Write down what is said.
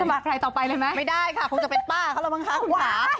มาใครต่อไปเลยไหมไม่ได้ค่ะคงจะเป็นป้าเขาแล้วมั้งคะคุณค่ะ